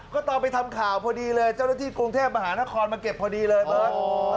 ก็ตอนไปทำข่าวพอดีเลยเจ้าหน้าที่กรุงเทพมหานครมาเก็บพอดีเลยเบิร์ต